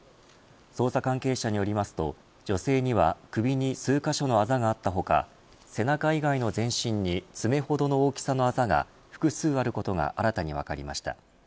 捜査関係者によりますと女性には首に数カ所のあざがあった他背中以外の全身に爪ほどの大きさのあざが複数あることが新たに分かりました。